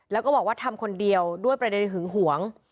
แล้วก็บอกว่าทำคนเดียวด้วยประเด็นหึงหวง